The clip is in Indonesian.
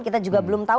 kita juga belum tahu